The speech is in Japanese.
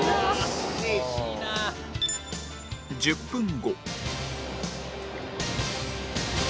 １０分後